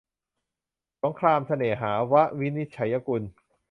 สงครามเสน่หา - ว วินิจฉัยกุล